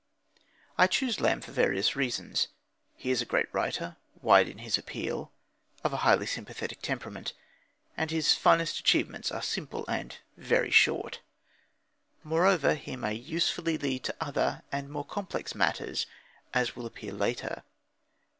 I choose Lamb for various reasons: He is a great writer, wide in his appeal, of a highly sympathetic temperament; and his finest achievements are simple and very short. Moreover, he may usefully lead to other and more complex matters, as will appear later.